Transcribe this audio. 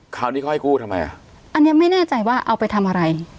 คราวนี้เขาให้กู้ทำไมอ่ะอันเนี้ยไม่แน่ใจว่าเอาไปทำอะไร